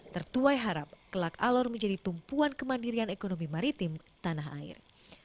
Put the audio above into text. tertuai harap kelak alor menjadi tumpuan kemandirian ekonomi maritim tanah air